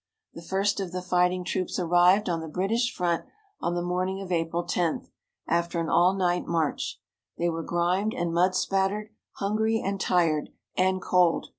The first of the fighting troops arrived on the British front on the morning of April 10, after an all night march. They were grimed and mud spattered, hungry, and tired, and cold.